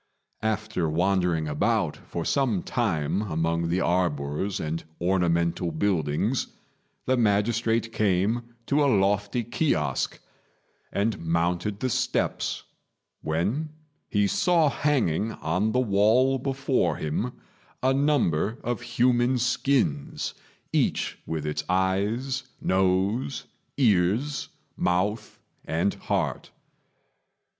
After wandering about for some time among the arbours and ornamental buildings, the magistrate came to a lofty kiosque, and mounted the steps, when he saw hanging on the wall before him a number of human skins, each with its eyes, nose, ears, mouth, and heart.